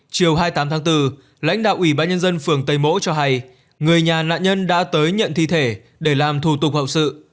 chiều hai mươi tám tháng bốn lãnh đạo ủy ban nhân dân phường tây mỗ cho hay người nhà nạn nhân đã tới nhận thi thể để làm thủ tục hậu sự